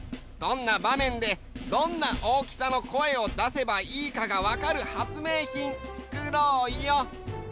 どんなばめんでどんな大きさの声をだせばいいかがわかる発明品つくろうよ。